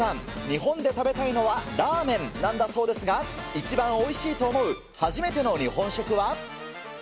日本で食べたいのはラーメンなんだそうですが、一番おいしいと思う初めての日本食は。